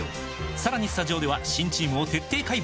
さらにスタジオでは新チームを徹底解剖！